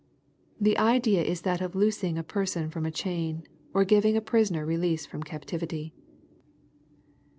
] The idea is that of loosing a person from a chain, or giving a prisoner release from captivity.